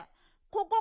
ここ。